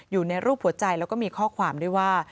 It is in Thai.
อยู่ในรูปหัวใจแล้วก็มีข้อความด้วยว่า